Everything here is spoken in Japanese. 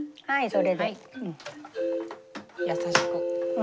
はい。